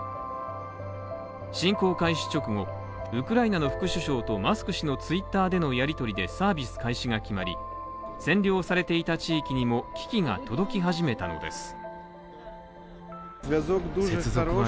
侵攻開始直後、ウクライナの副首相とマスク氏のＴｗｉｔｔｅｒでのやりとりでサービス開始が決まり、占領されていた地域にも機器が届き始めたのです。